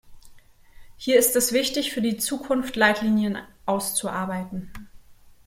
Hier ist es wichtig, für die Zukunft Leitlinien auszuarbeiten.